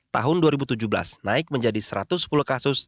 tahun dua ribu tujuh belas naik menjadi satu ratus sepuluh kasus